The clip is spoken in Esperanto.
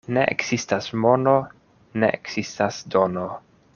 Ne ekzistas mono, ne ekzistas dono.